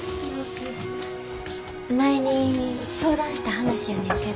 前に相談した話やねんけど。